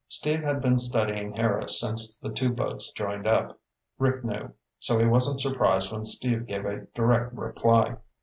Steve had been studying Harris since the two boats joined up, Rick knew, so he wasn't surprised when Steve gave a direct reply.